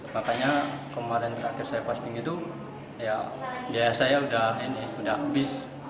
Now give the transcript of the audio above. makanya kemarin terakhir saya posting itu ya biaya saya sudah habis